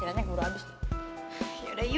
kita udah berputar sekarang shape aja yah